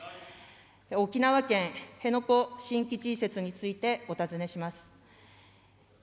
沖縄県辺野古新基地移設についてお尋ねします。